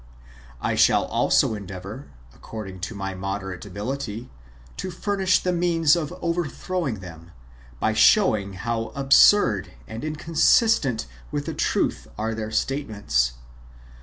I shall also endeavour, according to my moderate ability, to furnish the means of overthrowing them, by showing how absurd and inconsistent with the truth are their statements.